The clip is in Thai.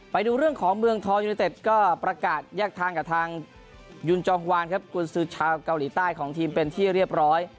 ไปดูเรื่องของเมืองทองยูนิเต็ดก็ประกาศแยกทางกับทางยุนจองวานครับกุญสือชาวเกาหลีใต้ของทีมเป็นที่เรียบร้อย